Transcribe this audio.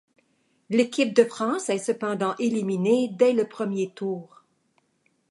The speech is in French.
L'équipe de France est cependant éliminée dès le premier tour.